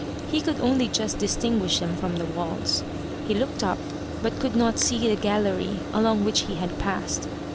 He could only just distinguish them from the walls, He looked up, but could not see the gallery along which he had passed.